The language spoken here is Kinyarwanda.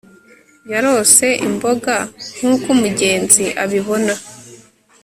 Yarose imboga nkuko umugenzi abibona